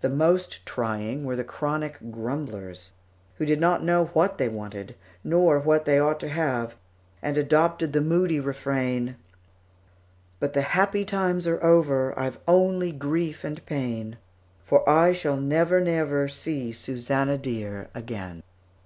The most trying were the chronic grumblers, who did not know what they wanted, nor what they ought to have, and adopted the moody refrain: But the happy times are over, I've only grief and pain, For I shall never, never see Susannah dear again.